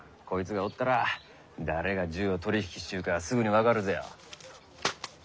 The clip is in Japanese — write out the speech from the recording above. こいつがおったら誰が銃を取り引きしちゅうかすぐに分かるぜよ。